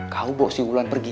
kau bawa si wulan pergi